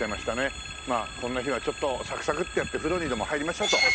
こんな日はサクサクッとやって風呂にでも入りましょうと。